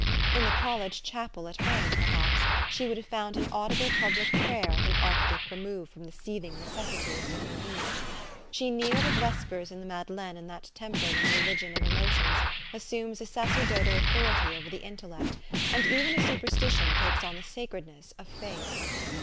In the college chapel at home, perhaps, she would have found an audible public prayer at an arctic remove from the seething necessities of her mood. She kneeled at vespers in the Madeleine in that temper when a religion of emotions assumes a sacerdotal authority over the intellect, and even a superstition takes on the sacredness of faith.